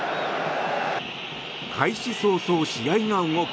開始早々、試合が動く。